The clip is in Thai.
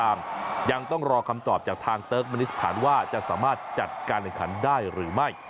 เลยยังต้องรอคำตอบจากทางเติร์คมนิสต์ฐานว่าจะสามารถการคันได้หรือไม่